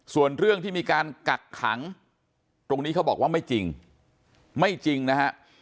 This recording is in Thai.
ส่วนเรื่องที่มีการกักขังตรงนี้เขาบอกว่าไม่จริงไม่จริงนะฮะ